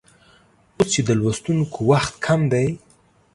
اوس چې د لوستونکو وخت کم دی